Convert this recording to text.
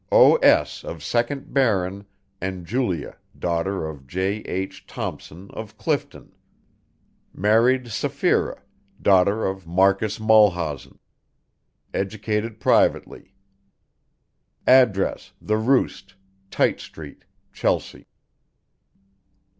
O. S. of second Baron and Julia d. of J. H. Thompson of Clifton, m. Sapphira, d. of Marcus Mulhausen, educ. privately. Address The Roost, Tite Street, Chelsea."